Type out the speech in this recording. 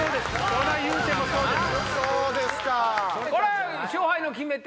そらいうてもそうです。